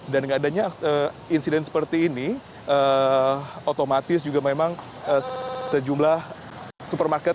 dan adanya insiden seperti ini otomatis juga memang sejumlah supermarket